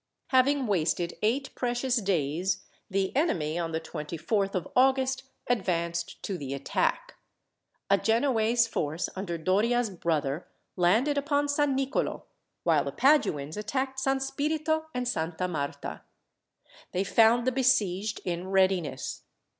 Having wasted eight precious days, the enemy, on the 24th of August, advanced to the attack. A Genoese force, under Doria's brother, landed upon San Nicolo; while the Paduans attacked San Spirito and Santa Marta. They found the besieged in readiness.